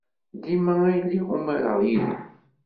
Dima ad iliɣ umareɣ yid-m.